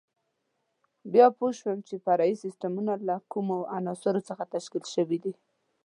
بیا پوه شو چې فرعي سیسټمونه له کومو عناصرو څخه تشکیل شوي دي.